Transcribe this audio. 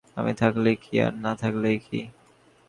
আমি থাকিলেই কী, আর না থাকিলেই কী।